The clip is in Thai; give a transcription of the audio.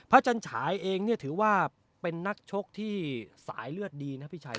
พะจันฉายเองถือว่าเป็นนักชกที่สายเลือดดี